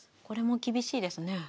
これも厳しいですね。